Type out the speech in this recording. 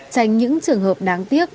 tránh những trường hợp đáng tiếc